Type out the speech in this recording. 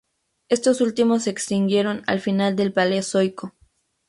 Estos últimos se extinguieron al final del Paleozoico.